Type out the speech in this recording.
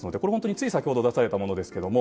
つい先ほど出されたものです。